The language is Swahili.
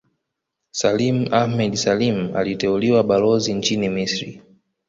Salim Ahmed Salim aliteuliwa Balozi nchini Misri